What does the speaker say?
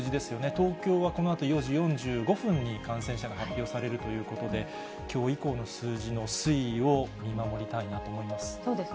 東京はこのあと４時４５分に感染者が発表されるということで、きょう以降の数字の推移を見守りたいなと思います。